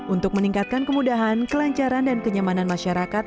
untuk meningkatkan kemudahan kelancaran dan kenyamanan masyarakat